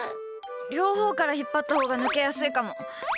両方から引っ張ったほうが抜けやすいかも。